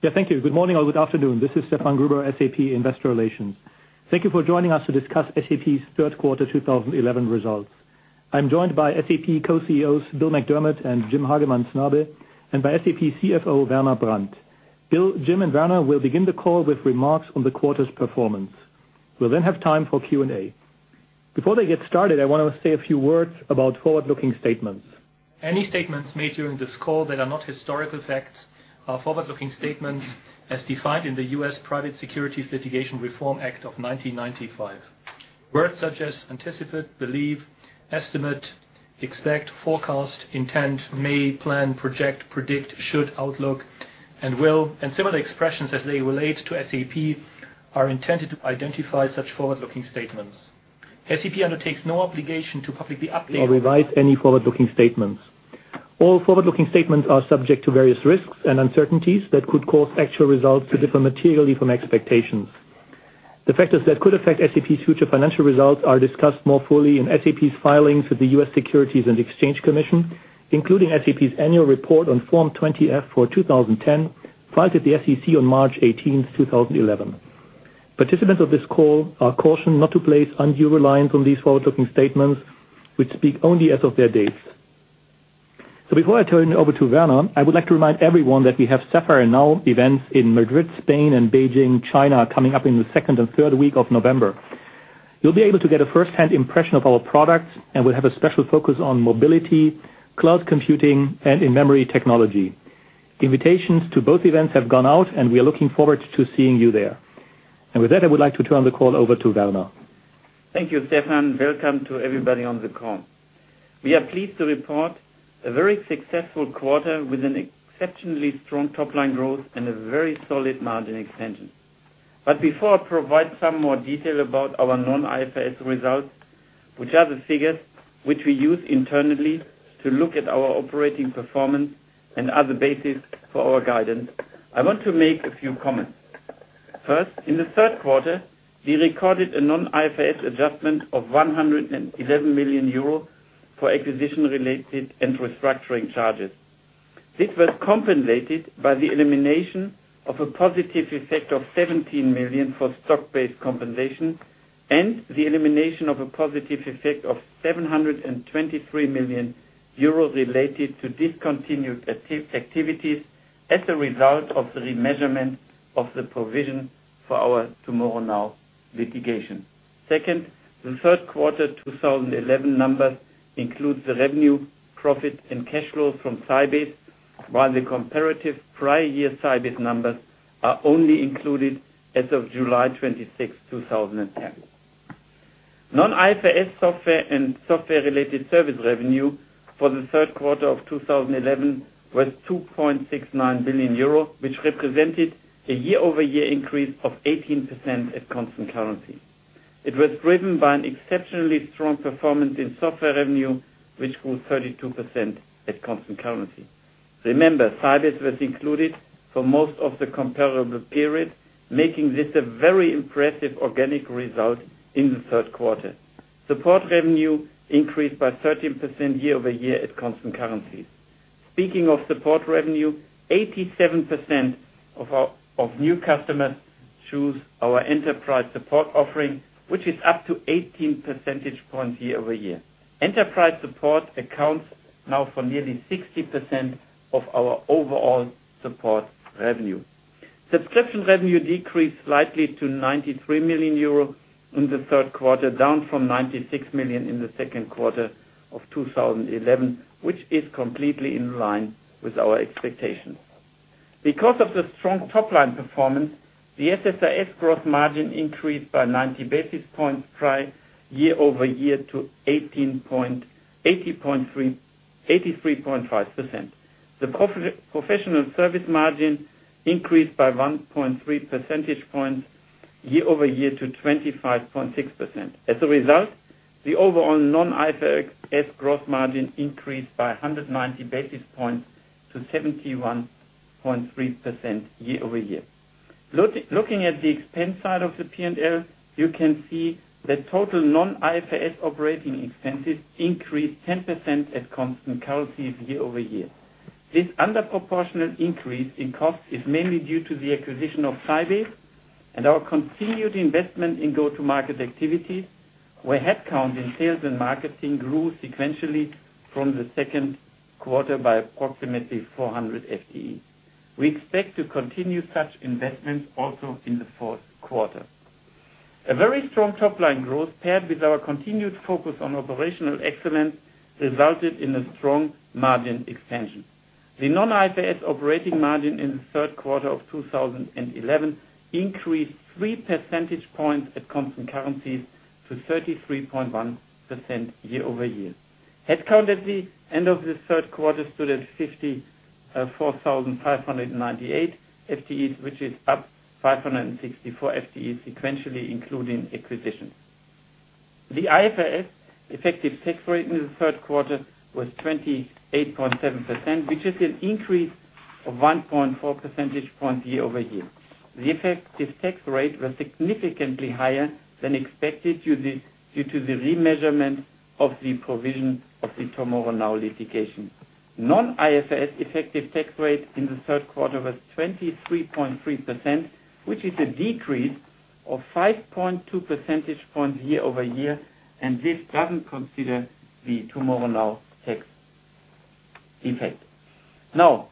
Thank you. Good morning or good afternoon. This is Stefan Gruber, SAP Investor Relations. Thank you for joining us to discuss SAP's Third Quarter 2011 Results. I'm joined by SAP co-CEOs Bill McDermott and Jim Snabe, and by SAP CFO Werner Brandt. Bill, Jim, and Werner will begin the call with remarks on the quarter's performance. We'll then have time for Q&A. Before they get started, I want to say a few words about forward-looking statements. Any statements made during this call that are not historical facts are forward-looking statements as defined in the U.S. Private Securities Litigation Reform Act of 1995. Words such as anticipate, believe, estimate, expect, forecast, intend, may, plan, project, predict, should, outlook, and will, and similar expressions as they relate to SAP are intended to identify such forward-looking statements. SAP undertakes no obligation to publicly update or revise any forward-looking statements. All forward-looking statements are subject to various risks and uncertainties that could cause actual results to differ materially from expectations. The factors that could affect SAP's future financial results are discussed more fully in SAP's filings with the U.S. Securities and Exchange Commission, including SAP's annual report on Form 20-F for 2010 filed at the SEC on March 18, 2011. Participants of this call are cautioned not to place undue reliance on these forward-looking statements, which speak only as of their dates. Before I turn it over to Werner, I would like to remind everyone that we have Sapphire Now events in Madrid, Spain, and Beijing, China coming up in the second and third week of November. You'll be able to get a first-hand impression of our products, and we'll have a special focus on mobility, cloud computing, and in-memory technology. Invitations to both events have gone out, and we are looking forward to seeing you there. With that, I would like to turn the call over to Werner. Thank you, Stefan. Welcome to everybody on the call. We are pleased to report a very successful quarter with an exceptionally strong top-line growth and a very solid margin extension. Before I provide some more detail about our non-IFRS results, which are the figures which we use internally to look at our operating performance and other bases for our guidance, I want to make a few comments. First, in the third quarter, we recorded a non-IFRS adjustment of 111 million euro for acquisition-related and restructuring charges. This was compensated by the elimination of a positive effect of 17 million for stock-based compensation and the elimination of a positive effect of 723 million euro related to discontinued activities as a result of the remeasurement of the provision for our TomorrowNow litigation. Second, the third quarter 2011 numbers include the revenue, profit, and cash flow from Sybase, while the comparative prior-year Sybase numbers are only included as of July 26, 2010. Non-IFRS software and software-related service revenue for the third quarter of 2011 was 2.69 billion euro, which represented a year-over-year increase of 18% at constant currency. It was driven by an exceptionally strong performance in software revenue, which grew 32% at constant currency. Remember, Sybase was included for most of the comparable period, making this a very impressive organic result in the third quarter. Support revenue increased by 13% year-over-year at constant currency. Speaking of support revenue, 87% of our new customers choose our enterprise support offering, which is up to 18 percentage points year-over-year. Enterprise support accounts now for nearly 60% of our overall support revenue. Subscription revenue decreased slightly to 93 million euro in the third quarter, down from 96 million in the second quarter of 2011, which is completely in line with our expectations. Because of the strong top-line performance, the SSIS growth margin increased by 90 basis points year-over-year to 83.5%. The professional service margin increased by 1.3 percentage points year-over-year to 25.6%. As a result, the overall non-IFRS growth margin increased by 190 basis points to 71.3% year-over-year. Looking at the expense side of the P&L, you can see that total non-IFRS operating expenses increased 10% at constant currency year-over-year. This underproportional increase in cost is mainly due to the acquisition of Sybase and our continued investment in go-to-market activities, where headcount in sales and marketing grew sequentially from the second quarter by approximately 400 FTE. We expect to continue such investments also in the fourth quarter. A very strong top-line growth paired with our continued focus on operational excellence resulted in a strong margin expansion. The non-IFRS operating margin in the third quarter of 2011 increased 3 percentage points at constant currencies to 33.1% year-over-year. Headcount at the end of the third quarter stood at 54,598 FTEs, which is up 564 FTEs sequentially, including acquisitions. The IFRS effective tax rate in the third quarter was 28.7%, which is an increase of 1.4 percentage points year-over-year. The effective tax rate was significantly higher than expected due to the remeasurement of the provision of the TomorrowNow litigation. Non-IFRS effective tax rate in the third quarter was 23.3%, which is a decrease of 5.2 percentage points year-over-year, and this doesn't consider the TomorrowNow tax effect. Now,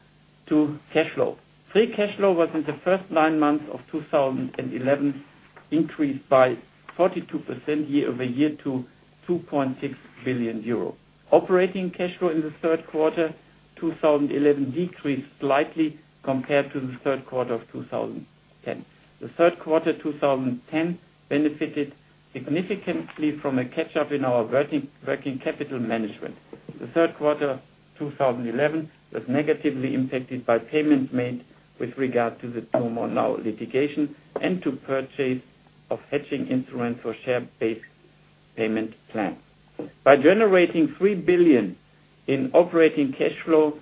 to cash flow. Free cash flow was in the first nine months of 2011 increased by 42% year-over-year to 2.6 billion euro. Operating cash flow in the third quarter 2011 decreased slightly compared to the third quarter of 2010. The third quarter 2010 benefited significantly from a catch-up in our working capital management. The third quarter 2011 was negatively impacted by payments made with regard to the TomorrowNow litigation and to purchase of hedging instruments for share-based payment plans. By generating 3 billion in operating cash flow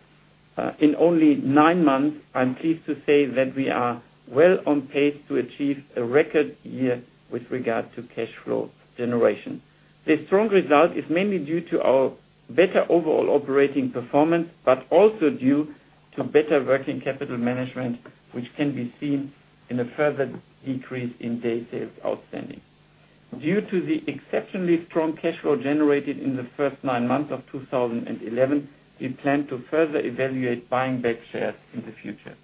in only nine months, I'm pleased to say that we are well on page to achieve a record year with regard to cash flow generation. This strong result is mainly due to our better overall operating performance, but also due to better working capital management, which can be seen in a further decrease in day sales outstanding. Due to the exceptionally strong cash flow generated in the first nine months of 2011, we plan to further evaluate buying back shares in the future.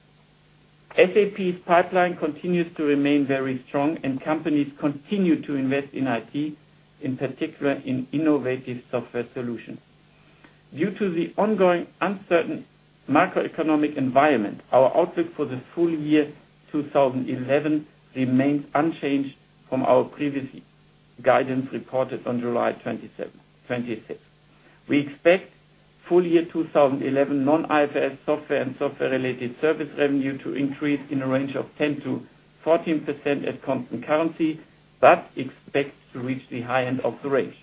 SAP's pipeline continues to remain very strong, and companies continue to invest in IT, in particular in innovative software solutions. Due to the ongoing uncertain macroeconomic environment, our outlook for the full year 2011 remains unchanged from our previous guidance reported on July 26. We expect full year 2011 non-IFRS software and software-related service revenue to increase in a range of 10%-14% at constant currency, but expect to reach the high end of the range.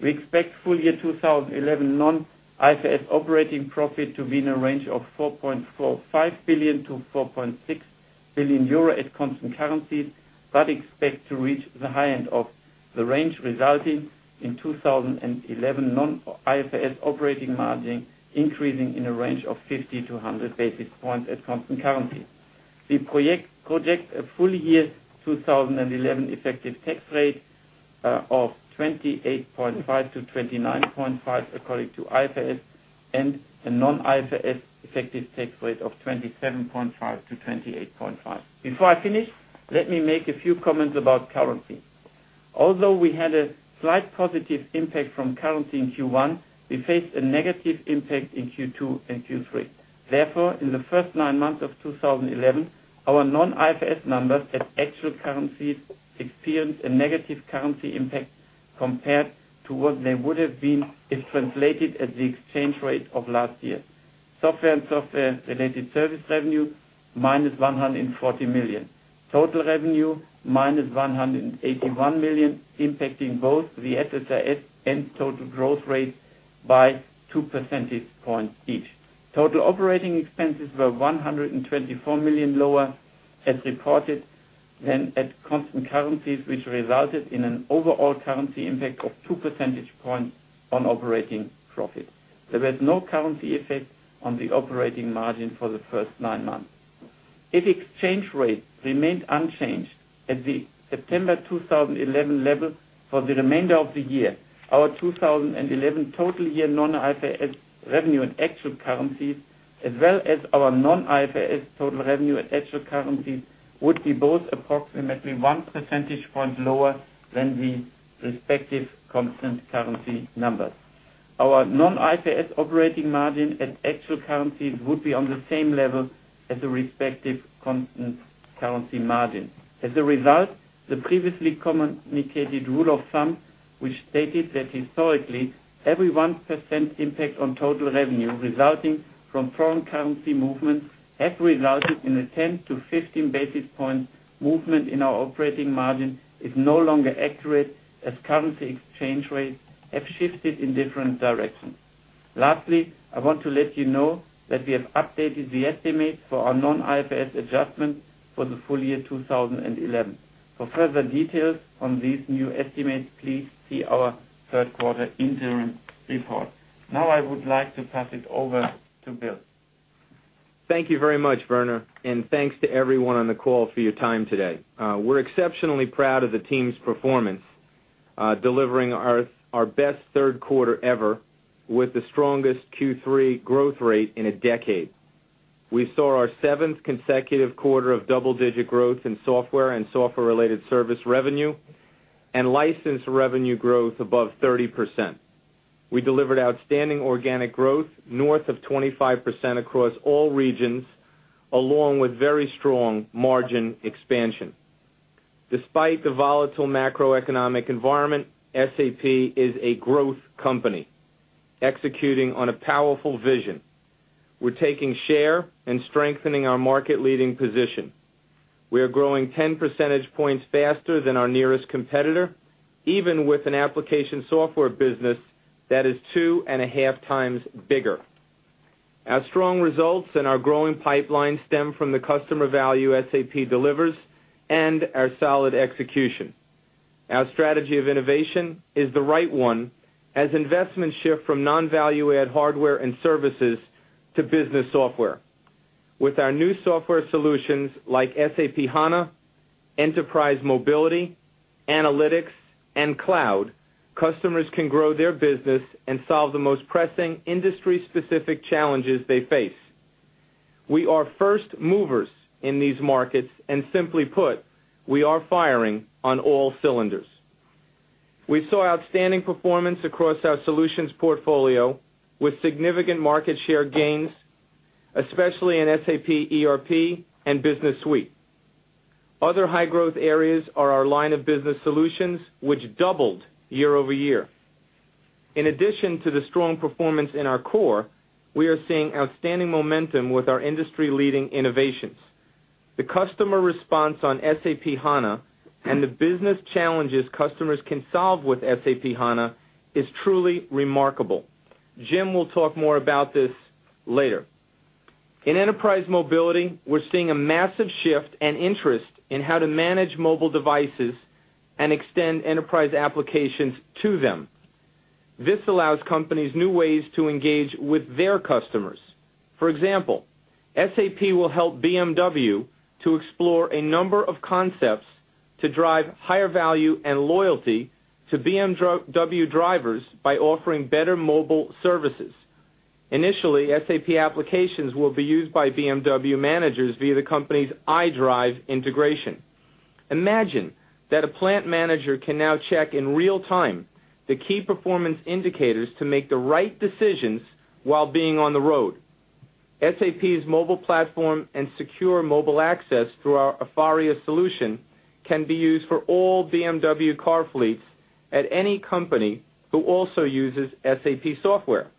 We expect full year 2011 non-IFRS operating profit to be in a range of 4.45 billion-4.6 billion euro at constant currencies, but expect to reach the high end of the range, resulting in 2011 non-IFRS operating margin increasing in a range of 50-100 basis points at constant currency. We project a full year 2011 effective tax rate of 28.5%- 29.5% according to IFRS and a non-IFRS effective tax rate of 27.5%-28.5%. Before I finish, let me make a few comments about currency. Although we had a slight positive impact from currency in Q1, we faced a negative impact in Q2 and Q3. Therefore, in the first nine months of 2011, our non-IFRS numbers at actual currencies experienced a negative currency impact compared to what they would have been if translated at the exchange rate of last year. Software and software-related service revenue minus 140 million. Total revenue minus 181 million, impacting both the SSIS and total growth rate by two percentage points each. Total operating expenses were 124 million lower as reported than at constant currencies, which resulted in an overall currency impact of two percentage points on operating profit. There was no currency effect on the operating margin for the first nine months. If exchange rate remained unchanged at the September 2011 level for the remainder of the year, our 2011 total year non-IFRS revenue in actual currencies, as well as our non-IFRS total revenue at actual currencies, would be both approximately one percentage point lower than the respective constant currency numbers. Our non-IFRS operating margin at actual currencies would be on the same level as the respective constant currency margin. As a result, the previously communicated rule of thumb, which stated that historically every 1% impact on total revenue resulting from foreign currency movements has resulted in a 10-15 basis point movement in our operating margin, is no longer accurate as currency exchange rates have shifted in different directions. Lastly, I want to let you know that we have updated the estimates for our non-IFRS adjustment for the full year 2011. For further details on these new estimates, please see our third quarter interim report. Now I would like to pass it over to Bill. Thank you very much, Werner, and thanks to everyone on the call for your time today. We're exceptionally proud of the team's performance, delivering our best third quarter ever with the strongest Q3 growth rate in a decade. We saw our seventh consecutive quarter of double-digit growth in software and software-related service revenue and license revenue growth above 30%. We delivered outstanding organic growth north of 25% across all regions, along with very strong margin expansion. Despite the volatile macroeconomic environment, SAP is a growth company executing on a powerful vision. We're taking share and strengthening our market-leading position. We are growing 10 percentage points faster than our nearest competitor, even with an application software business that is 2.5x bigger. Our strong results and our growing pipeline stem from the customer value SAP delivers and our solid execution. Our strategy of innovation is the right one as investments shift from non-value-add hardware and services to business software. With our new software solutions like SAP HANA, enterprise mobility, analytics, and cloud, customers can grow their business and solve the most pressing industry-specific challenges they face. We are first movers in these markets, and simply put, we are firing on all cylinders. We saw outstanding performance across our solutions portfolio with significant market share gains, especially in SAP ERP and Business Suite. Other high-growth areas are our line of business solutions, which doubled year over year. In addition to the strong performance in our core, we are seeing outstanding momentum with our industry-leading innovations. The customer response on SAP HANA and the business challenges customers can solve with SAP HANA is truly remarkable. Jim will talk more about this later. In enterprise mobility, we're seeing a massive shift and interest in how to manage mobile devices and extend enterprise applications to them. This allows companies new ways to engage with their customers. For example, SAP will help BMW to explore a number of concepts to drive higher value and loyalty to BMW drivers by offering better mobile services. Initially, SAP applications will be used by BMW managers via the company's iDrive integration. Imagine that a plant manager can now check in real time the key performance indicators to make the right decisions while being on the road. SAP's mobile platform and secure mobile access through our Afaria solution can be used for all BMW car fleets at any company who also uses SAP software.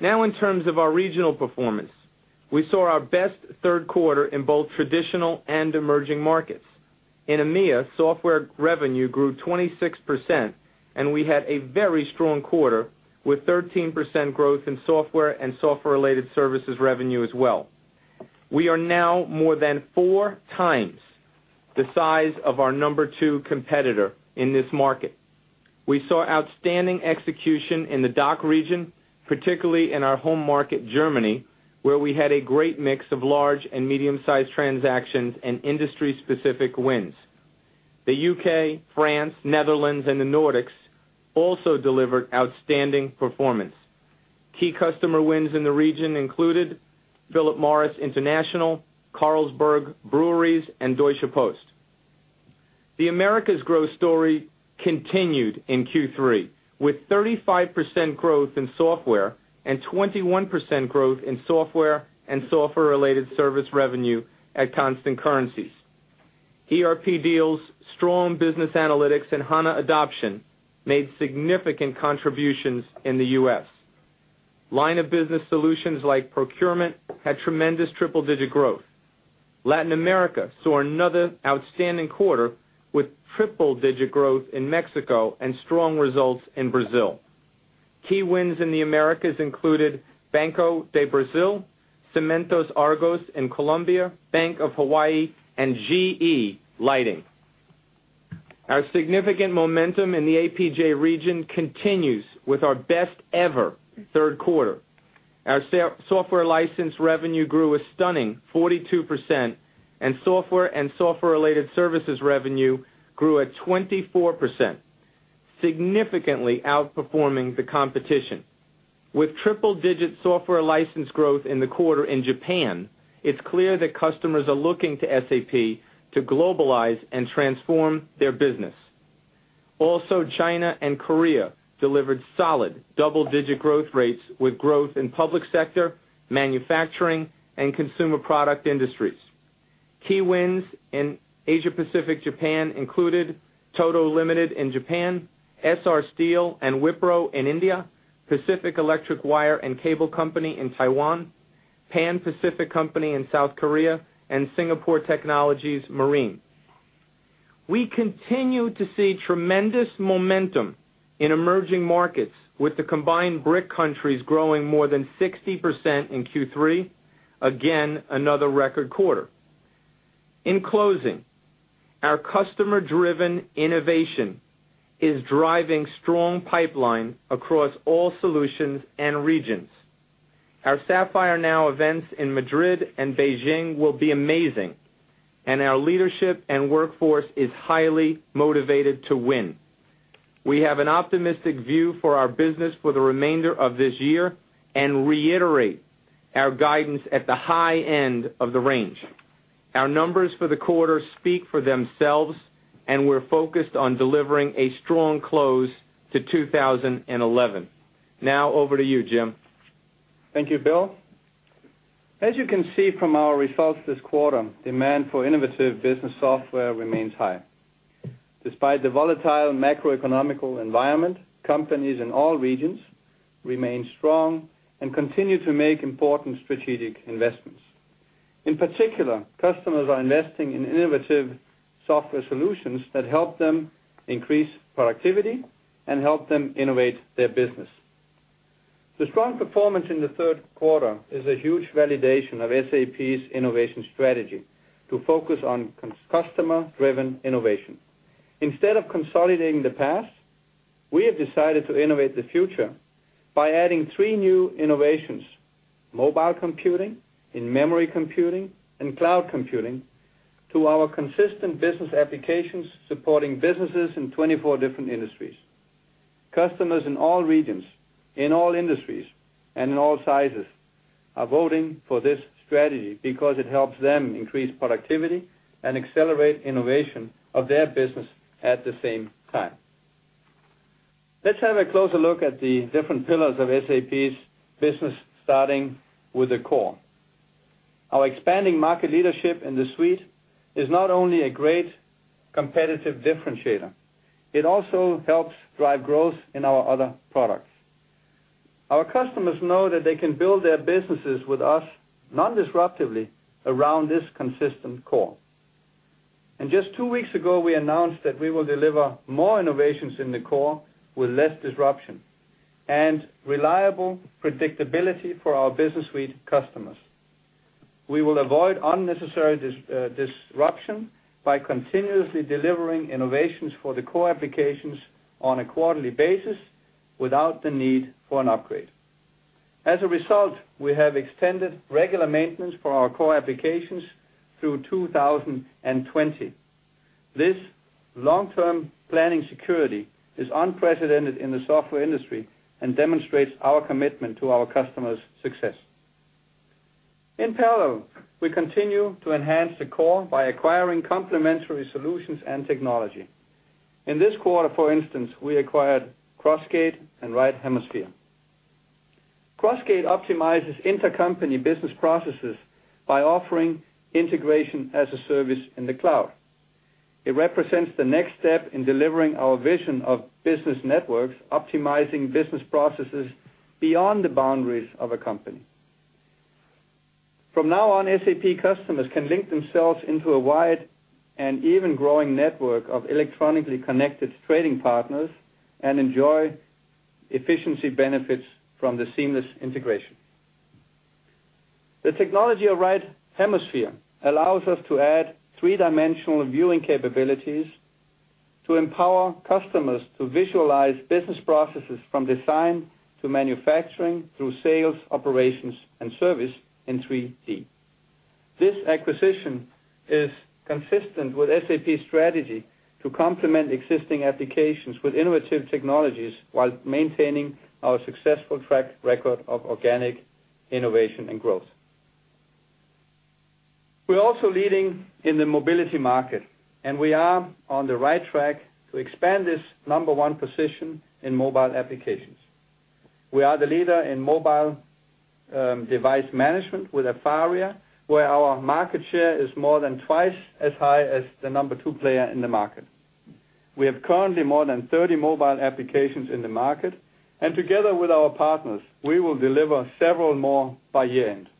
Now, in terms of our regional performance, we saw our best third quarter in both traditional and emerging markets. In EMEA, software revenue grew 26%, and we had a very strong quarter with 13% growth in software and software-related services revenue as well. We are now more than four times the size of our number two competitor in this market. We saw outstanding execution in the DACH region, particularly in our home market, Germany, where we had a great mix of large and medium-sized transactions and industry-specific wins. The UK, France, Netherlands, and the Nordics also delivered outstanding performance. Key customer wins in the region included Philip Morris International, Carlsberg Breweries, and Deutsche Post. The Americas growth story continued in Q3 with 35% growth in software and 21% growth in software and software-related service revenue at constant currencies. ERP deals, strong business analytics, and HANA adoption made significant contributions in the U.S. Line of business solutions like procurement had tremendous triple-digit growth. Latin America saw another outstanding quarter with triple-digit growth in Mexico and strong results in Brazil. Key wins in the Americas included Banco do Brasil, Cementos Argos in Colombia, Bank of Hawaii, and GE Lighting. Our significant momentum in the Asia-Pacific Japan region continues with our best ever third quarter. Our software license revenue grew a stunning 42%, and software and software-related services revenue grew at 24%, significantly outperforming the competition. With triple-digit software license growth in the quarter in Japan, it's clear that customers are looking to SAP to globalize and transform their business. Also, China and Korea delivered solid double-digit growth rates with growth in public sector, manufacturing, and consumer product industries. Key wins in Asia-Pacific Japan included Toto Limited in Japan, SR Steel and Wipro in India, Pacific Electric Wire and Cable Company in Taiwan, Pan Pacific Company in South Korea, and Singapore Technologies Marine. We continue to see tremendous momentum in emerging markets with the combined BRIC countries growing more than 60% in Q3, again another record quarter. In closing, our customer-driven innovation is driving strong pipeline across all solutions and regions. Our Sapphire Now events in Madrid and Beijing will be amazing, and our leadership and workforce is highly motivated to win. We have an optimistic view for our business for the remainder of this year and reiterate our guidance at the high end of the range. Our numbers for the quarter speak for themselves, and we're focused on delivering a strong close to 2011. Now, over to you, Jim. Thank you, Bill. As you can see from our results this quarter, demand for innovative business software remains high. Despite the volatile macroeconomic environment, companies in all regions remain strong and continue to make important strategic investments. In particular, customers are investing in innovative software solutions that help them increase productivity and help them innovate their business. The strong performance in the third quarter is a huge validation of SAP's innovation strategy to focus on customer-driven innovation. Instead of consolidating the past, we have decided to innovate the future by adding three new innovations: mobile computing, in-memory computing, and cloud computing to our consistent business applications supporting businesses in 24 different industries. Customers in all regions, in all industries, and in all sizes are voting for this strategy because it helps them increase productivity and accelerate innovation of their business at the same time. Let's have a closer look at the different pillars of SAP's business, starting with the core. Our expanding market leadership in the suite is not only a great competitive differentiator, it also helps drive growth in our other products. Our customers know that they can build their businesses with us non-disruptively around this consistent core. Just two weeks ago, we announced that we will deliver more innovations in the core with less disruption and reliable predictability for our business suite customers. We will avoid unnecessary disruption by continuously delivering innovations for the core applications on a quarterly basis without the need for an upgrade. As a result, we have extended regular maintenance for our core applications through 2020. This long-term planning security is unprecedented in the software industry and demonstrates our commitment to our customers' success. In parallel, we continue to enhance the core by acquiring complementary solutions and technology. In this quarter, for instance, we acquired Crossgate and Right Hemisphere. Crossgate optimizes intercompany business processes by offering integration as a service in the cloud. It represents the next step in delivering our vision of business networks, optimizing business processes beyond the boundaries of a company. From now on, SAP customers can link themselves into a wide and even growing network of electronically connected trading partners and enjoy efficiency benefits from the seamless integration. The technology of Right Hemisphere allows us to add three-dimensional viewing capabilities to empower customers to visualize business processes from design to manufacturing through sales, operations, and service in 3D. This acquisition is consistent with SAP's strategy to complement existing applications with innovative technologies while maintaining our successful track record of organic innovation and growth. We are also leading in the mobility market, and we are on the right track to expand this number one position in mobile applications. We are the leader in mobile device management with Afaria, where our market share is more than twice as high as the number two player in the market. We have currently more than 30 mobile applications in the market, and together with our partners, we will deliver several more by year-end.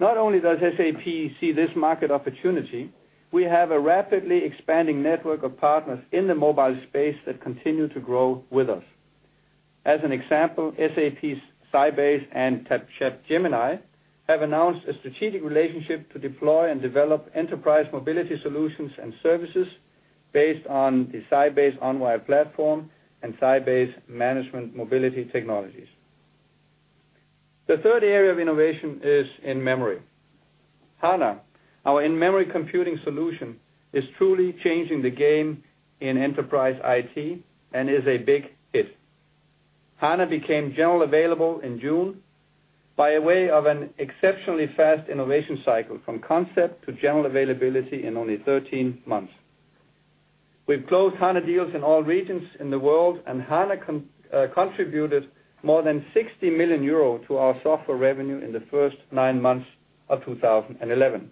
Not only does SAP see this market opportunity, we have a rapidly expanding network of partners in the mobile space that continue to grow with us. As an example, SAP's Sybase and Gemini have announced a strategic relationship to deploy and develop enterprise mobility solutions and services based on the Sybase unwired platform and Sybase management mobility technologies. The third area of innovation is in-memory. SAP HANA, our in-memory computing solution, is truly changing the game in enterprise IT and is a big hit. SAP HANA became generally available in June by way of an exceptionally fast innovation cycle from concept to general availability in only 13 months. We have closed SAP HANA deals in all regions in the world, and SAP HANA contributed more than 60 million euro to our software revenue in the first nine months of 2011.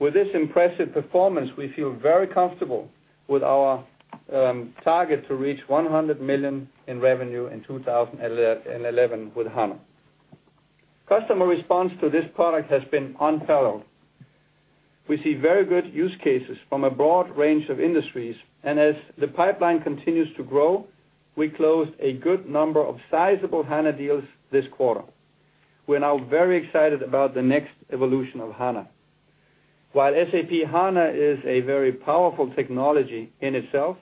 With this impressive performance, we feel very comfortable with our target to reach 100 million in revenue in 2011 with SAP HANA. Customer response to this product has been unparalleled. We see very good use cases from a broad range of industries, and as the pipeline continues to grow, we closed a good number of sizable SAP HANA deals this quarter. We are now very excited about the next evolution of SAP HANA. While SAP HANA is a very powerful technology in itself,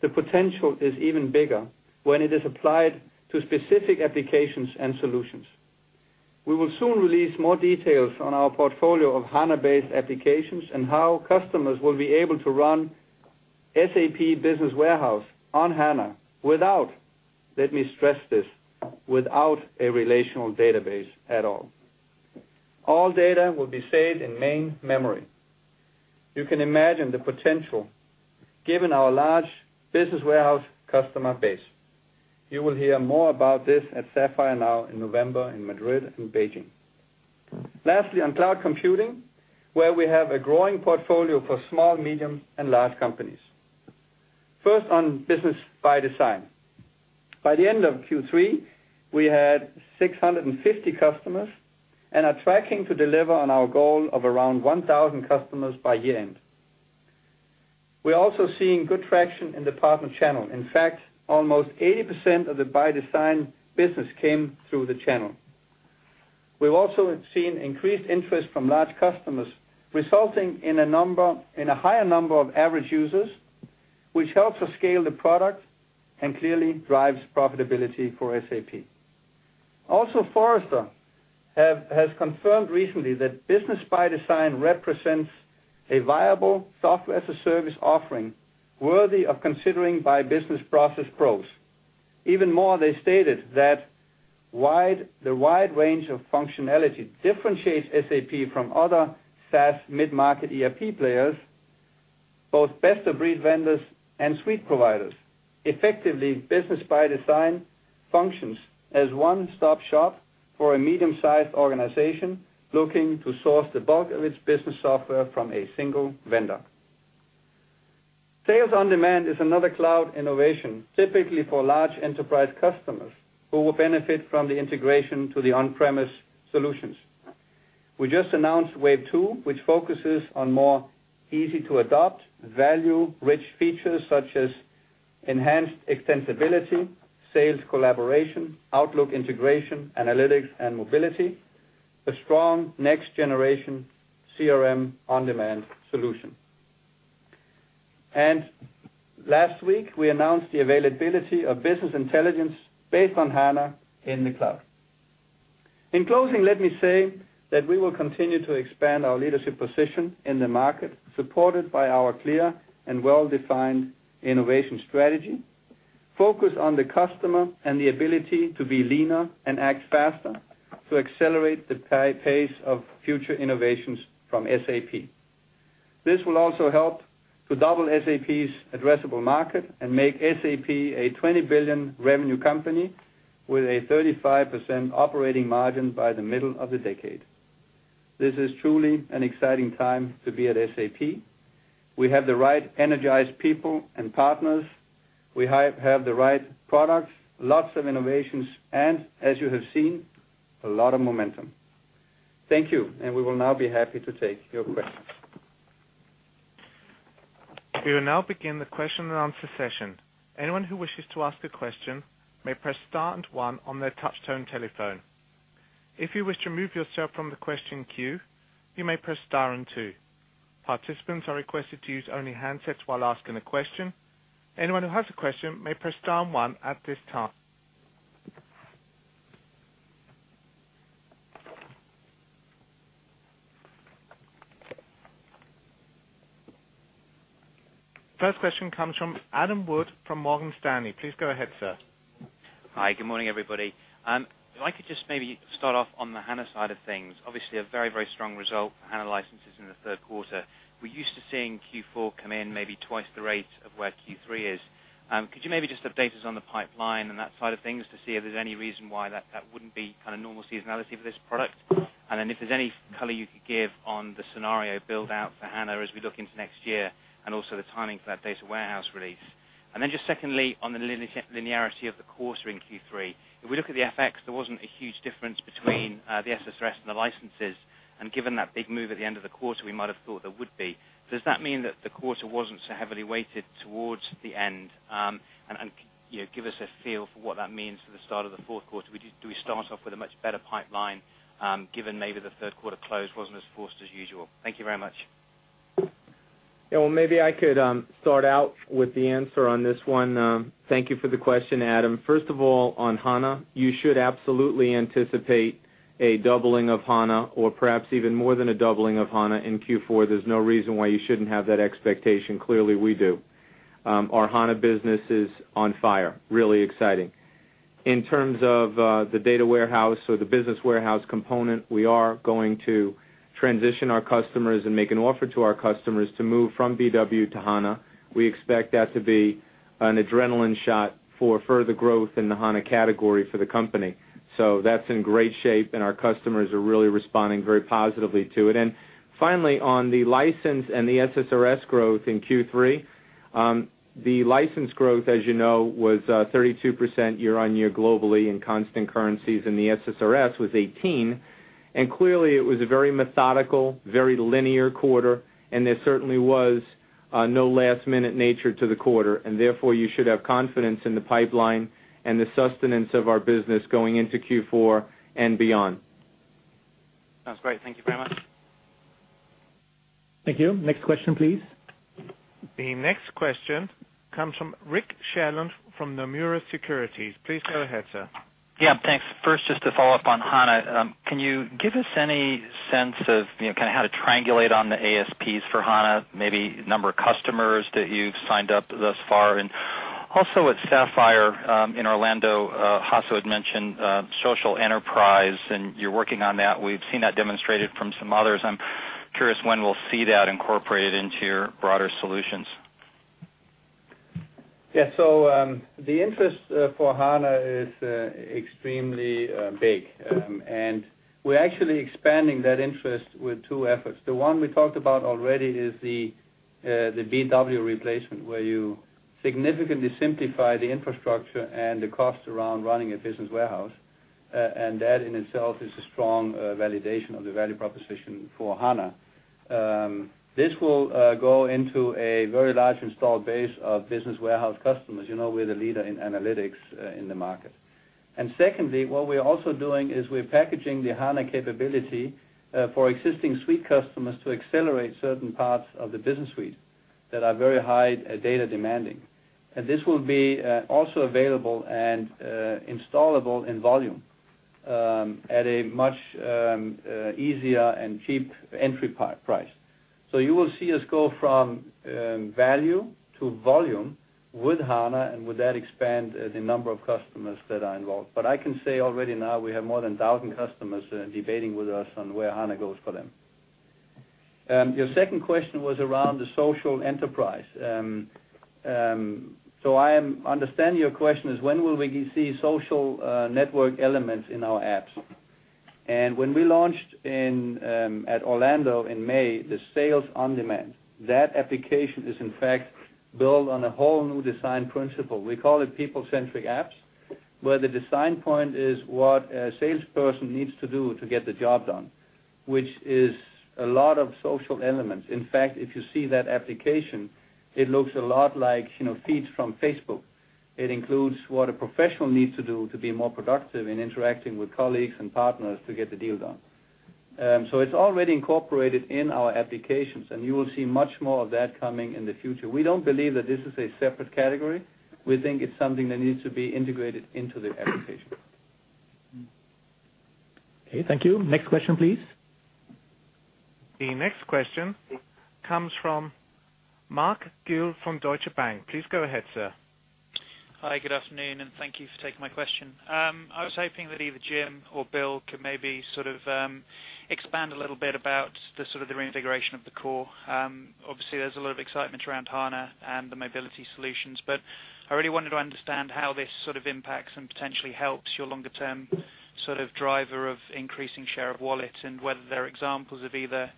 the potential is even bigger when it is applied to specific applications and solutions. We will soon release more details on our portfolio of SAP HANA-based applications and how customers will be able to run SAP Business Warehouse on SAP HANA without, let me stress this, without a relational database at all. All data will be saved in main memory. You can imagine the potential given our large Business Warehouse customer base. You will hear more about this at Sapphire Now in November in Madrid and Beijing. Lastly, on cloud computing, where we have a growing portfolio for small, medium, and large companies. First on Business ByDesign. By the end of Q3, we had 650 customers and are tracking to deliver on our goal of around 1,000 customers by year-end. We're also seeing good traction in the partner channel. In fact, almost 80% of the ByDesign business came through the channel. We've also seen increased interest from large customers, resulting in a higher number of average users, which helps us scale the product and clearly drives profitability for SAP. Also, Forrester has confirmed recently that Business ByDesign represents a viable software as a service offering worthy of considering by business process pros. Even more, they stated that the wide range of functionality differentiates SAP from other SaaS mid-market ERP players, both best-of-breed vendors and suite providers. Effectively, Business ByDesign functions as a one-stop shop for a medium-sized organization looking to source the bulk of its business software from a single vendor. Sales OnDemand is another cloud innovation, typically for large enterprise customers who will benefit from the integration to the on-premise solutions. We just announced Wave 2, which focuses on more easy-to-adopt, value-rich features such as enhanced extensibility, sales collaboration, Outlook integration, analytics, and mobility, a strong next-generation CRM on-demand solution. Last week, we announced the availability of business intelligence based on SAP HANA in the cloud. In closing, let me say that we will continue to expand our leadership position in the market, supported by our clear and well-defined innovation strategy, focused on the customer and the ability to be leaner and act faster to accelerate the pace of future innovations from SAP. This will also help to double SAP's addressable market and make SAP a $20 billion revenue company with a 35% operating margin by the middle of the decade. This is truly an exciting time to be at SAP. We have the right energized people and partners. We have the right products, lots of innovations, and as you have seen, a lot of momentum. Thank you, and we will now be happy to take your questions. We will now begin the question and answer session. Anyone who wishes to ask a question may press star and one on their touch-tone telephone. If you wish to remove yourself from the question queue, you may press star and two. Participants are requested to use only handsets while asking a question. Anyone who has a question may press star and one at this time. First question comes from Adam Dennis Wood from Morgan Stanley. Please go ahead, sir. Hi, good morning everybody. If I could just maybe start off on the HANA side of things, obviously a very, very strong result for HANA licenses in the third quarter. We're used to seeing Q4 come in maybe twice the rate of where Q3 is. Could you maybe just update us on the pipeline and that side of things to see if there's any reason why that wouldn't be kind of normal seasonality for this product? If there's any color you could give on the scenario build out for HANA as we look into next year and also the timing for that data warehouse release. Secondly, on the linearity of the quarter in Q3, if we look at the FX, there wasn't a huge difference between the SSRS and the licenses. Given that big move at the end of the quarter, we might have thought there would be. Does that mean that the quarter wasn't so heavily weighted towards the end? Give us a feel for what that means for the start of the fourth quarter. Do we start off with a much better pipeline given maybe the third quarter close wasn't as forced as usual? Thank you very much. Maybe I could start out with the answer on this one. Thank you for the question, Adam. First of all, on SAP HANA, you should absolutely anticipate a doubling of SAP HANA or perhaps even more than a doubling of SAP HANA in Q4. There's no reason why you shouldn't have that expectation. Clearly, we do. Our SAP HANA business is on fire, really exciting. In terms of the data warehouse or the business warehouse component, we are going to transition our customers and make an offer to our customers to move from BW to SAP HANA. We expect that to be an adrenaline shot for further growth in the SAP HANA category for the company. That's in great shape, and our customers are really responding very positively to it. Finally, on the license and the software-related service revenue growth in Q3, the license growth, as you know, was 32% year-over-year globally in constant currencies, and the software-related service revenue was 18%. It was a very methodical, very linear quarter, and there certainly was no last-minute nature to the quarter. Therefore, you should have confidence in the pipeline and the sustenance of our business going into Q4 and beyond. That's great. Thank you very much. Thank you. Next question, please. The next question comes from Rick Shallon from Nomura Securities. Please go ahead, sir. Yeah, thanks. First, just to follow up on SAP HANA, can you give us any sense of kind of how to triangulate on the ASPs for SAP HANA, maybe the number of customers that you've signed up thus far? Also, at Sapphire in Orlando, Hasso had mentioned social enterprise, and you're working on that. We've seen that demonstrated from some others. I'm curious when we'll see that incorporated into your broader solutions. Yeah, the interest for SAP HANA is extremely big, and we're actually expanding that interest with two efforts. The one we talked about already is the BW replacement, where you significantly simplify the infrastructure and the cost around running a business warehouse. That in itself is a strong validation of the value proposition for SAP HANA. This will go into a very large installed base of business warehouse customers. You know we're the leader in analytics in the market. Secondly, what we're also doing is we're packaging the SAP HANA capability for existing suite customers to accelerate certain parts of the business suite that are very high data demanding. This will be also available and installable in volume at a much easier and cheaper entry price. You will see us go from value to volume with SAP HANA, and with that expand the number of customers that are involved. I can say already now we have more than 1,000 customers debating with us on where SAP HANA goes for them. Your second question was around the social enterprise. I understand your question is when will we see social network elements in our apps. When we launched at Orlando in May, the sales on demand, that application is in fact built on a whole new design principle. We call it people-centric apps, where the design point is what a salesperson needs to do to get the job done, which is a lot of social elements. In fact, if you see that application, it looks a lot like feeds from Facebook. It includes what a professional needs to do to be more productive in interacting with colleagues and partners to get the deal done. It's already incorporated in our applications, and you will see much more of that coming in the future. We don't believe that this is a separate category. We think it's something that needs to be integrated into the application. Okay, thank you. Next question, please. The next question comes from Mark Gill from Goldman Sachs. Please go ahead, sir. Hi, good afternoon, and thank you for taking my question. I was hoping that either Jim or Bill could maybe expand a little bit about the reintegration of the core. Obviously, there's a lot of excitement around SAP HANA and the mobility solutions, but I really wanted to understand how this impacts and potentially helps your longer-term driver of increasing share of wallets and whether there are examples of either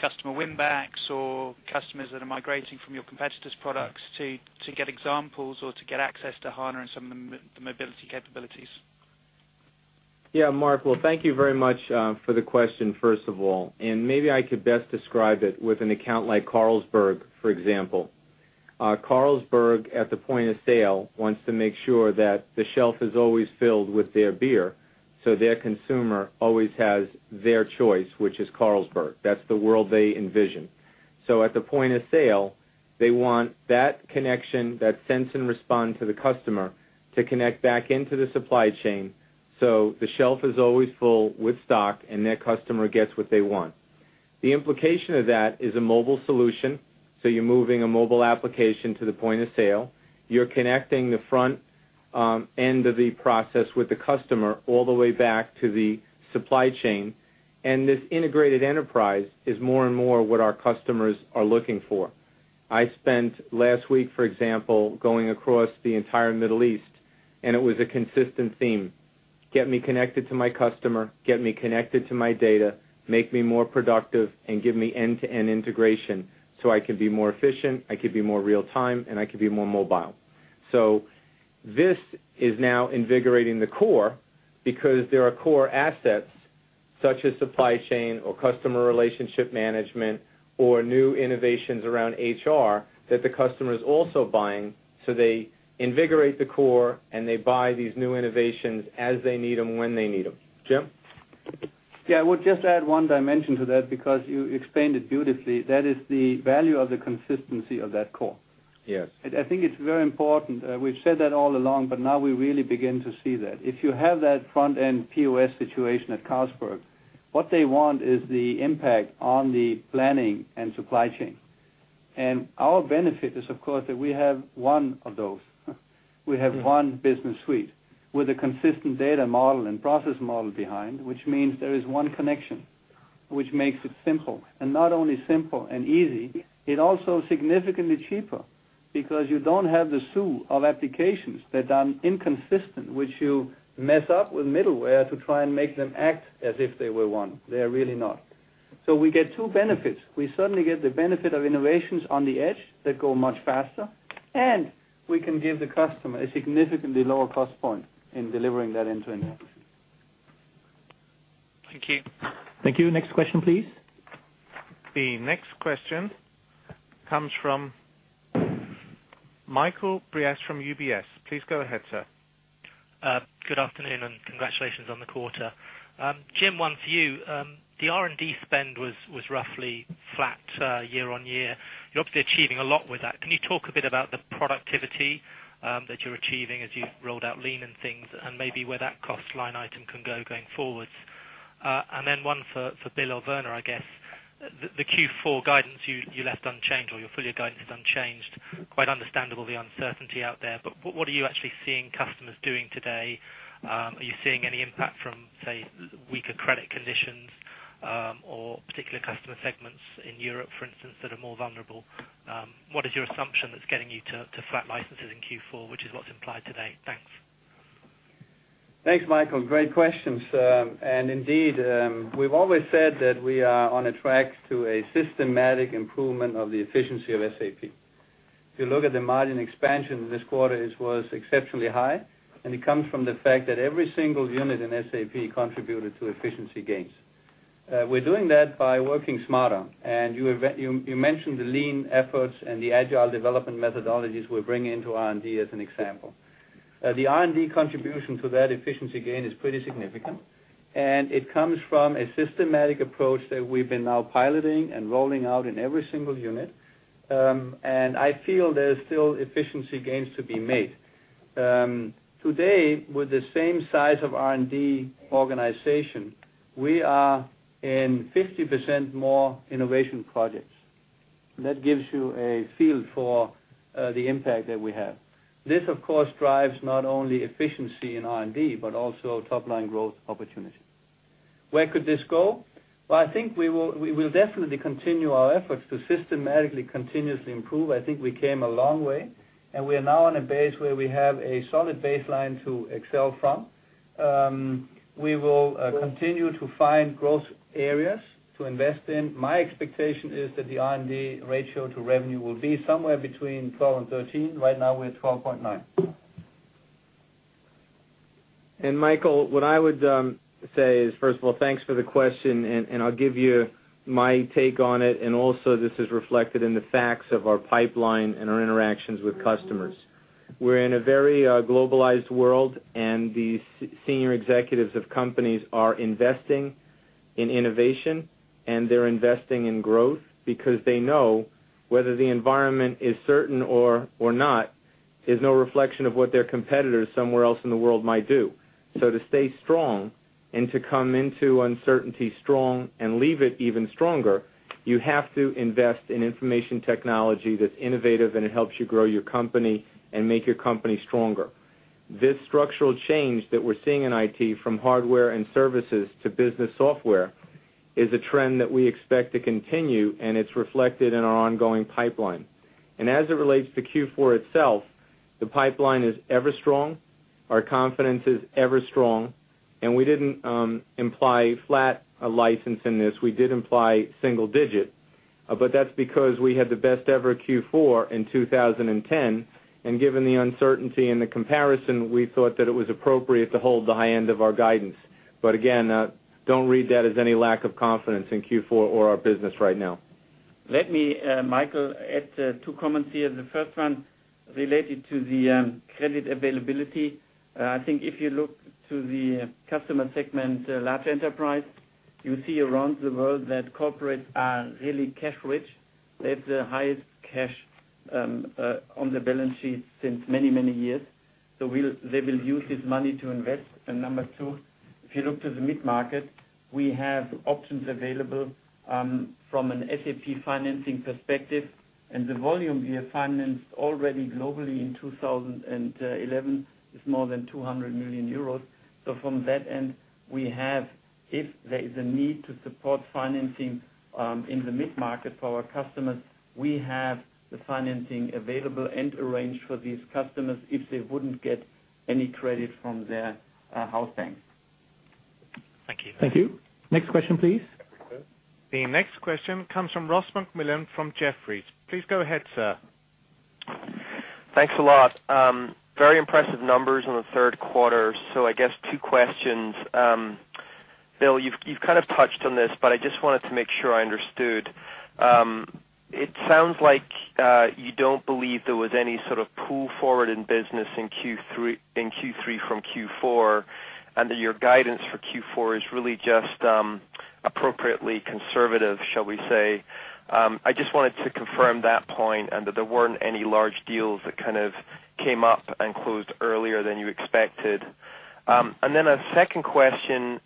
customer winbacks or customers that are migrating from your competitors' products to get examples or to get access to SAP HANA and some of the mobility capabilities. Thank you very much for the question, first of all. Maybe I could best describe it with an account like Carlsberg, for example. Carlsberg, at the point of sale, wants to make sure that the shelf is always filled with their beer, so their consumer always has their choice, which is Carlsberg. That's the world they envision. At the point of sale, they want that connection that sends and responds to the customer to connect back into the supply chain so the shelf is always full with stock and their customer gets what they want. The implication of that is a mobile solution, so you're moving a mobile application to the point of sale. You're connecting the front end of the process with the customer all the way back to the supply chain. This integrated enterprise is more and more what our customers are looking for. I spent last week, for example, going across the entire Middle East, and it was a consistent theme. Get me connected to my customer, get me connected to my data, make me more productive, and give me end-to-end integration so I can be more efficient, I can be more real-time, and I can be more mobile. This is now invigorating the core because there are core assets such as supply chain or customer relationship management or new innovations around HR that the customer is also buying. They invigorate the core and they buy these new innovations as they need them when they need them. Jim? Yeah, I would just add one dimension to that because you explained it beautifully. That is the value of the consistency of that core. Yeah. I think it's very important. We've said that all along, but now we really begin to see that. If you have that front-end POS situation at Carlsberg, what they want is the impact on the planning and supply chain. Our benefit is, of course, that we have one of those. We have one business suite with a consistent data model and process model behind, which means there is one connection, which makes it simple. Not only simple and easy, it's also significantly cheaper because you don't have the zoo of applications that are inconsistent, which you mess up with middleware to try and make them act as if they were one. They're really not. We get two benefits. We certainly get the benefit of innovations on the edge that go much faster, and we can give the customer a significantly lower cost point in delivering that end-to-end. Thank you. Next question, please. The next question comes from Michael Briest from UBS. Please go ahead, sir. Good afternoon and congratulations on the quarter. Jim, one for you. The R&D spend was roughly flat year over year. You're up to achieving a lot with that. Can you talk a bit about the productivity that you're achieving as you rolled out lean and things and maybe where that cost line item can go going forwards? Then one for Bill or Werner, I guess. The Q4 guidance you left unchanged or your full year guidance is unchanged. Quite understandable the uncertainty out there, but what are you actually seeing customers doing today? Are you seeing any impact from, say, weaker credit conditions or particular customer segments in Europe, for instance, that are more vulnerable? What is your assumption that's getting you to flat licenses in Q4, which is what's implied today? Thanks. Thanks, Michael. Great questions. Indeed, we've always said that we are on a track to a systematic improvement of the efficiency of SAP. If you look at the margin expansion this quarter, it was exceptionally high, and it comes from the fact that every single unit in SAP contributed to efficiency gains. We're doing that by working smarter, and you mentioned the lean efforts and the agile development methodologies we're bringing into R&D as an example. The R&D contribution to that efficiency gain is pretty significant, and it comes from a systematic approach that we've been now piloting and rolling out in every single unit. I feel there's still efficiency gains to be made. Today, with the same size of R&D organization, we are in 50% more innovation projects. That gives you a feel for the impact that we have. This, of course, drives not only efficiency in R&D, but also top-line growth opportunity. Where could this go? I think we will definitely continue our efforts to systematically continuously improve. I think we came a long way, and we are now on a base where we have a solid baseline to excel from. We will continue to find growth areas to invest in. My expectation is that the R&D ratio to revenue will be somewhere between 12% and 13%. Right now, we're at 12.9%. Michael, what I would say is, first of all, thanks for the question, and I'll give you my take on it. This is reflected in the facts of our pipeline and our interactions with customers. We're in a very globalized world, and the senior executives of companies are investing in innovation, and they're investing in growth because they know whether the environment is certain or not is no reflection of what their competitors somewhere else in the world might do. To stay strong and to come into uncertainty strong and leave it even stronger, you have to invest in information technology that's innovative and it helps you grow your company and make your company stronger. This structural change that we're seeing in IT from hardware and services to business software is a trend that we expect to continue, and it's reflected in our ongoing pipeline. As it relates to Q4 itself, the pipeline is ever strong. Our confidence is ever strong, and we didn't imply flat a license in this. We did imply single digit, but that's because we had the best ever Q4 in 2010. Given the uncertainty and the comparison, we thought that it was appropriate to hold the high end of our guidance. Again, don't read that as any lack of confidence in Q4 or our business right now. Let me, Michael, add two comments here. The first one related to the credit availability. I think if you look to the customer segment, large enterprise, you see around the world that corporates are really cash-rich. They have the highest cash on the balance sheet since many, many years. They will use this money to invest. Number two, if you look to the mid-market, we have options available from an SAP financing perspective. The volume we have financed already globally in 2011 is more than 200 million euros. From that end, if there is a need to support financing in the mid-market for our customers, we have the financing available and arranged for these customers if they wouldn't get any credit from their house bank. Thank you. Next question, please. The next question comes from Ross MacMillan from Jefferies. Please go ahead, sir. Thanks a lot. Very impressive numbers in the third quarter. I guess two questions. Bill, you've kind of touched on this, but I just wanted to make sure I understood. It sounds like you don't believe there was any sort of pull forward in business in Q3 from Q4, and that your guidance for Q4 is really just appropriately conservative, shall we say. I just wanted to confirm that point and that there weren't any large deals that kind of came up and closed earlier than you expected. A second question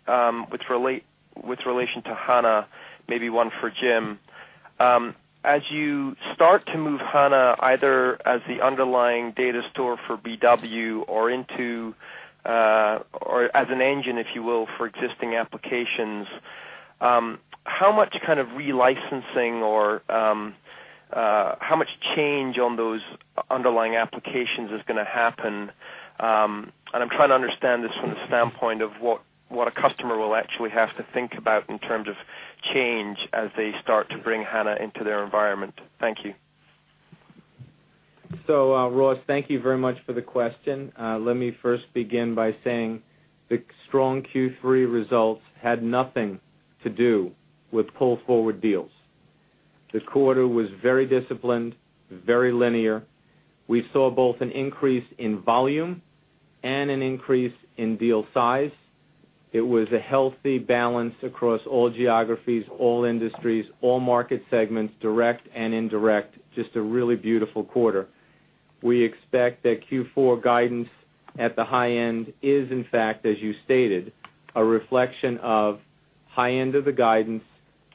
with relation to SAP HANA, maybe one for Jim. As you start to move SAP HANA either as the underlying data store for BW or into or as an engine, if you will, for existing applications, how much kind of re-licensing or how much change on those underlying applications is going to happen? I'm trying to understand this from the standpoint of what a customer will actually have to think about in terms of change as they start to bring SAP HANA into their environment. Thank you. Ross, thank you very much for the question. Let me first begin by saying the strong Q3 results had nothing to do with pull-forward deals. The quarter was very disciplined, very linear. We saw both an increase in volume and an increase in deal size. It was a healthy balance across all geographies, all industries, all market segments, direct and indirect, just a really beautiful quarter. We expect that Q4 guidance at the high end is, in fact, as you stated, a reflection of high end of the guidance,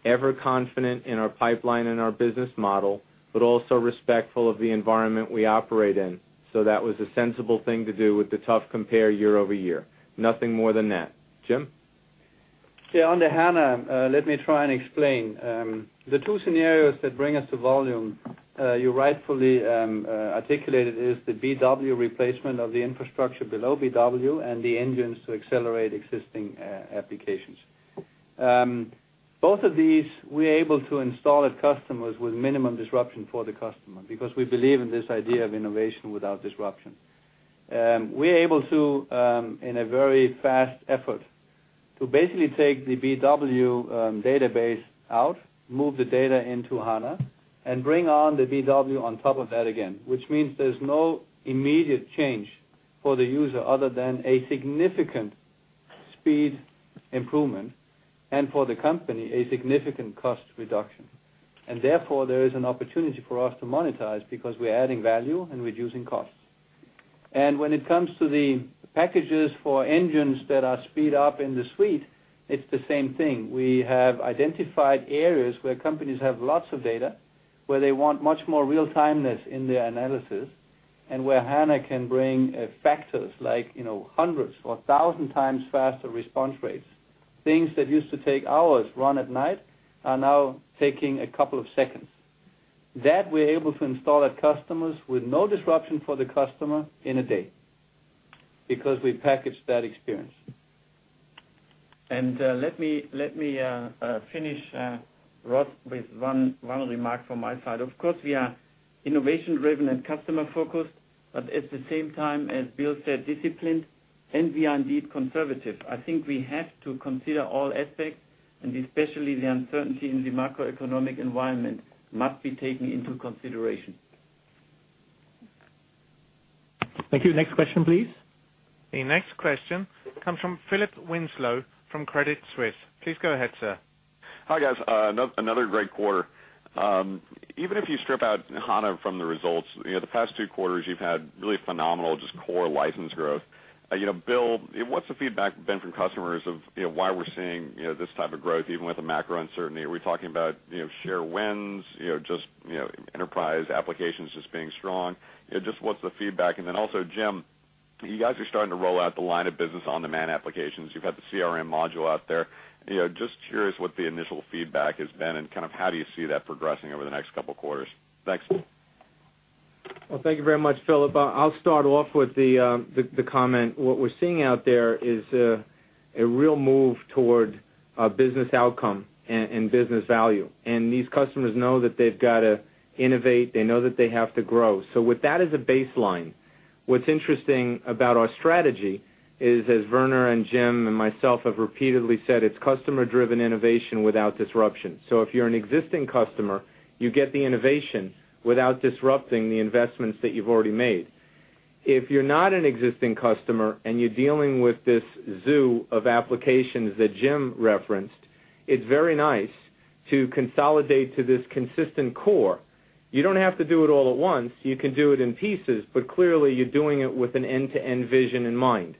ever confident in our pipeline and our business model, but also respectful of the environment we operate in. That was a sensible thing to do with the tough compare year-over-year. Nothing more than that. Jim? On the SAP HANA, let me try and explain. The two scenarios that bring us to volume, you rightfully articulated, are the BW replacement of the infrastructure below BW and the engines to accelerate existing applications. Both of these, we're able to install at customers with minimum disruption for the customer because we believe in this idea of innovation without disruption. We're able to, in a very fast effort, basically take the BW database out, move the data into SAP HANA, and bring on the BW on top of that again, which means there's no immediate change for the user other than a significant speed improvement and for the company, a significant cost reduction. Therefore, there is an opportunity for us to monetize because we're adding value and reducing costs. When it comes to the packages for engines that are speed up in the suite, it's the same thing. We have identified areas where companies have lots of data, where they want much more real-timeliness in their analysis, and where SAP HANA can bring factors like hundreds or thousand times faster response rates. Things that used to take hours run at night are now taking a couple of seconds. That we're able to install at customers with no disruption for the customer in a day because we package that experience. Let me finish, Ross, with one remark from my side. Of course, we are innovation-driven and customer-focused, but at the same time, as Bill said, disciplined, and we are indeed conservative. I think we have to consider all aspects, and especially the uncertainty in the macroeconomic environment must be taken into consideration. Thank you. Next question, please. The next question comes from Philip Winslow from Credit Suisse. Please go ahead, sir. Hi guys, another great quarter. Even if you strip out SAP HANA from the results, the past two quarters you've had really phenomenal just core license growth. You know, Bill, what's the feedback been from customers of why we're seeing this type of growth, even with a macro uncertainty? Are we talking about share wins, just enterprise applications just being strong? Just what's the feedback? Also, Jim, you guys are starting to roll out the line of business on-demand applications. You've had the CRM module out there. Just curious what the initial feedback has been and kind of how do you see that progressing over the next couple of quarters? Thanks. Thank you very much, Philip. I'll start off with the comment. What we're seeing out there is a real move toward business outcome and business value. These customers know that they've got to innovate. They know that they have to grow. With that as a baseline, what's interesting about our strategy is, as Werner and Jim and myself have repeatedly said, it's customer-driven innovation without disruption. If you're an existing customer, you get the innovation without disrupting the investments that you've already made. If you're not an existing customer and you're dealing with this zoo of applications that Jim referenced, it's very nice to consolidate to this consistent core. You don't have to do it all at once. You can do it in pieces, but clearly you're doing it with an end-to-end vision in mind.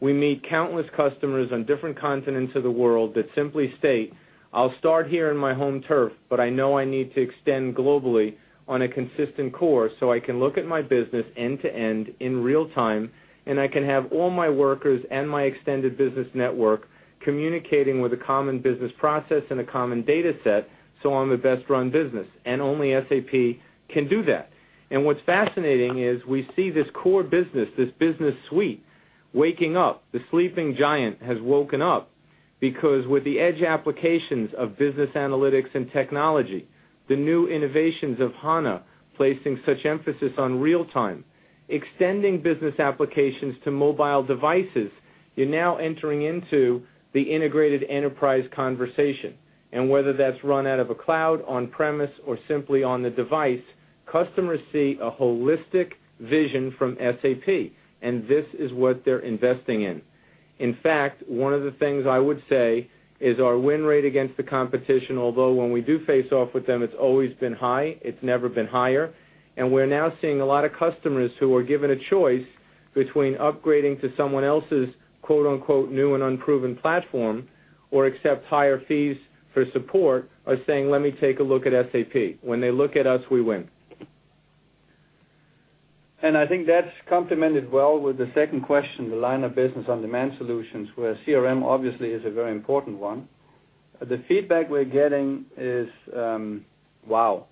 We meet countless customers on different continents of the world that simply state, "I'll start here in my home turf, but I know I need to extend globally on a consistent core so I can look at my business end-to-end in real time and I can have all my workers and my extended business network communicating with a common business process and a common data set so I'm a best-run business." Only SAP can do that. What's fascinating is we see this core business, this business suite waking up. The sleeping giant has woken up because with the edge applications of business analytics and technology, the new innovations of SAP HANA placing such emphasis on real-time, extending business applications to mobile devices, you're now entering into the integrated enterprise conversation. Whether that's run out of a cloud, on-premise, or simply on the device, customers see a holistic vision from SAP, and this is what they're investing in. In fact, one of the things I would say is our win rate against the competition, although when we do face off with them, it's always been high. It's never been higher. We're now seeing a lot of customers who are given a choice between upgrading to someone else's quote-unquote "new and unproven" platform or accept higher fees for support or saying, "Let me take a look at SAP." When they look at us, we win. I think that's complemented well with the second question, the line of business on-demand solutions, where CRM obviously is a very important one. The feedback we're getting is, "Wow."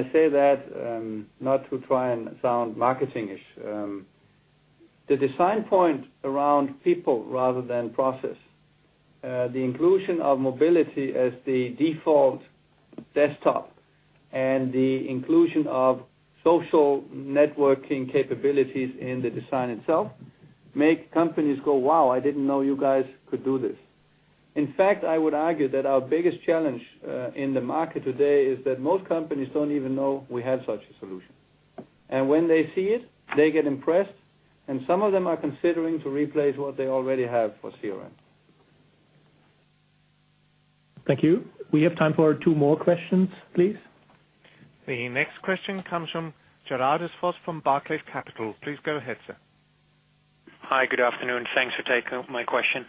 I say that not to try and sound marketing-ish. The design point around people rather than process, the inclusion of mobility as the default desktop, and the inclusion of social networking capabilities in the design itself make companies go, "Wow, I didn't know you guys could do this." In fact, I would argue that our biggest challenge in the market today is that most companies don't even know we have such a solution. When they see it, they get impressed, and some of them are considering to replace what they already have for CRM. Thank you. We have time for two more questions, please. The next question comes from Gerardus Vos from Barclays Capital. Please go ahead, sir. Hi, good afternoon. Thanks for taking my question.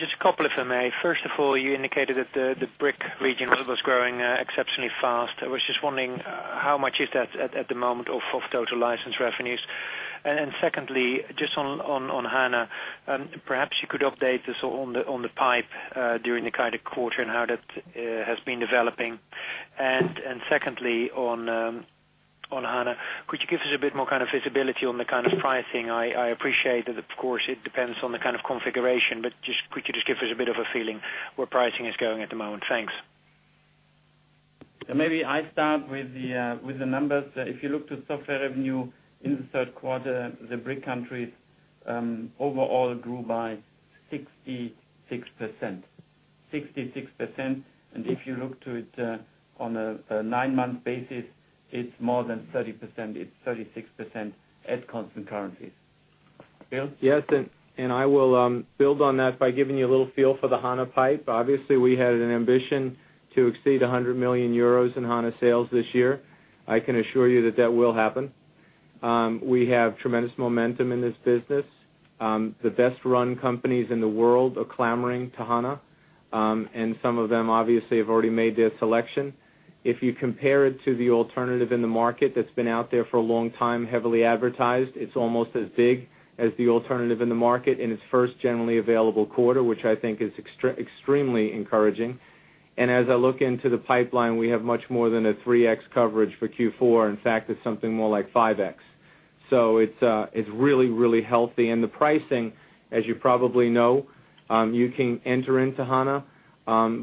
Just a couple, if I may. First of all, you indicated that the BRIC region was growing exceptionally fast. I was just wondering how much is that at the moment of total license revenues? Secondly, just on SAP HANA, perhaps you could update us on the pipeline during the guided quarter and how that has been developing. Secondly, on SAP HANA, could you give us a bit more kind of visibility on the kind of pricing? I appreciate that, of course, it depends on the kind of configuration, but could you just give us a bit of a feeling where pricing is going at the moment? Thanks. Maybe I'd start with the numbers. If you look to software revenue in the third quarter, the BRIC countries overall grew by 66%. 66%. If you look to it on a nine-month basis, it's more than 30%. It's 36% at constant currency. Yes, and I will build on that by giving you a little feel for the SAP HANA pipe. Obviously, we had an ambition to exceed 100 million euros in SAP HANA sales this year. I can assure you that that will happen. We have tremendous momentum in this business. The best-run companies in the world are clamoring to SAP HANA, and some of them obviously have already made their selection. If you compare it to the alternative in the market that's been out there for a long time, heavily advertised, it's almost as big as the alternative in the market in its first generally available quarter, which I think is extremely encouraging. As I look into the pipeline, we have much more than a 3x coverage for Q4. In fact, it's something more like 5x. It's really, really healthy. The pricing, as you probably know, you can enter into SAP HANA,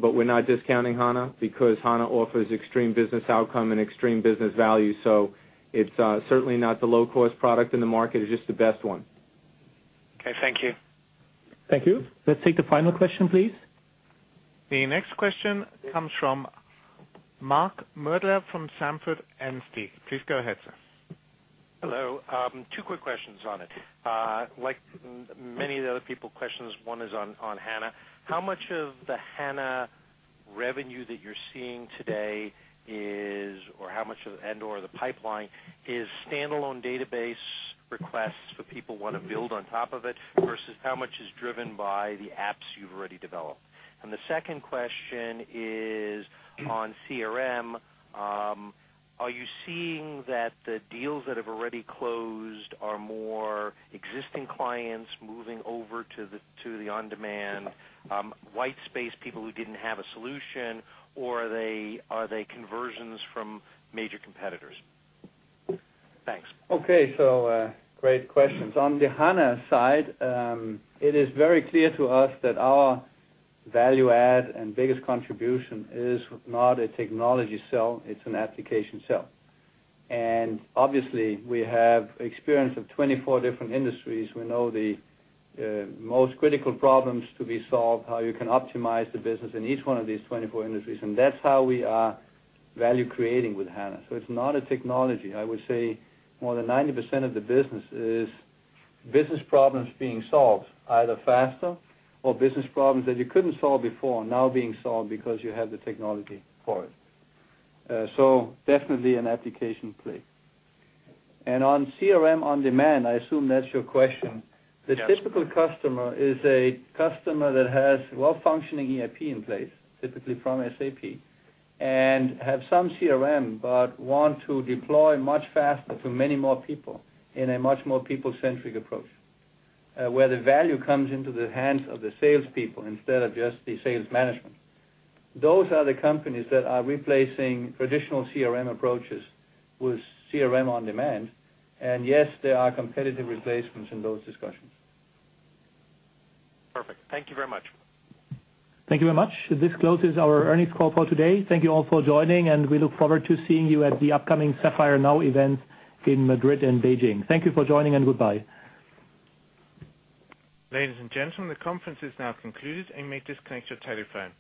but we're not discounting SAP HANA because SAP HANA offers extreme business outcome and extreme business value. It's certainly not the low-cost product in the market. It's just the best one. Okay, thank you. Thank you. Let's take the final question, please. The next question comes from Mark L. Moerdler from Sanford Bernstein. Please go ahead, sir. Hello. Two quick questions on it. Like many of the other people's questions, one is on SAP HANA. How much of the SAP HANA revenue that you're seeing today is, or how much of the pipeline is standalone database requests for people who want to build on top of it versus how much is driven by the apps you've already developed? The second question is on CRM. Are you seeing that the deals that have already closed are more existing clients moving over to the on-demand white space, people who didn't have a solution, or are they conversions from major competitors? Thanks. Okay, great questions. On the SAP HANA side, it is very clear to us that our value add and biggest contribution is not a technology sell. It's an application sell. Obviously, we have experience of 24 different industries. We know the most critical problems to be solved, how you can optimize the business in each one of these 24 industries. That's how we are value creating with SAP HANA. It's not a technology. I would say more than 90% of the business is business problems being solved either faster or business problems that you couldn't solve before now being solved because you have the technology for it. Definitely an application play. On CRM on demand, I assume that's your question. The typical customer is a customer that has a well-functioning ERP in place, typically from SAP, and has some CRM but wants to deploy much faster to many more people in a much more people-centric approach where the value comes into the hands of the salespeople instead of just the sales management. Those are the companies that are replacing traditional CRM approaches with CRM on demand. Yes, there are competitive replacements in those discussions. Perfect. Thank you very much. Thank you very much. This closes our Earnings call for today. Thank you all for joining, and we look forward to seeing you at the upcoming Sapphire Now event in Madrid and Beijing. Thank you for joining and goodbye. Ladies and gentlemen, the conference is now concluded, and you may disconnect your telephone.